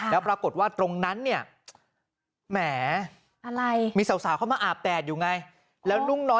แล้วปรากฏว่าตรงนั้นเนี่ยแหมอะไรมีสาวเข้ามาอาบแดดอยู่ไงแล้วนุ่งน้อย